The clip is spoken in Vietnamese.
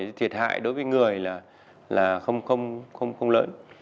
thì thiệt hại đối với người là không lớn